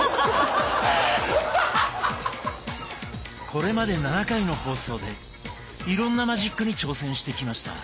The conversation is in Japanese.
これまで７回の放送でいろんなマジックに挑戦してきました。